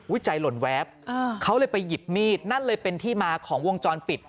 ใจหล่นแวบเขาเลยไปหยิบมีดนั่นเลยเป็นที่มาของวงจรปิด